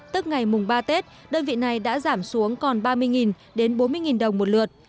tức ngày mùng ba tết đơn vị này đã giảm xuống còn ba mươi đến bốn mươi đồng một lượt